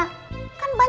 kan banyak banget